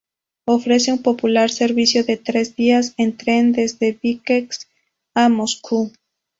Ofrece un popular servicio de tres días en tren desde Biskek a Moscú.